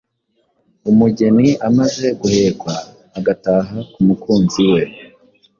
Umugeni amaze guhekwa agataha ku mukunzi we